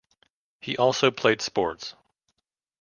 He also played sports.